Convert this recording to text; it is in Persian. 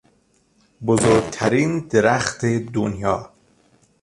بزرگترین درخت دنیا